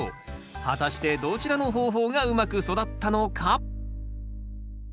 果たしてどちらの方法がうまく育ったのか？